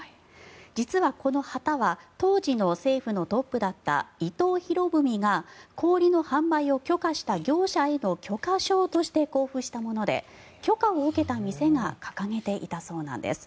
実はこの旗は当時の政府のトップだった伊藤博文が氷の販売を許可した業者への許可証として交付したもので許可を受けた店が掲げていたそうです。